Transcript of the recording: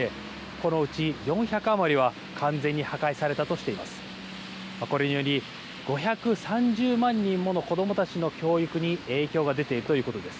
このうち４００余りは完全に破壊されたとしています。